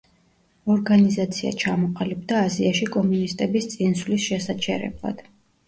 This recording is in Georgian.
ორგანიზაცია ჩამოყალიბდა აზიაში კომუნისტების წინსვლის შესაჩერებლად.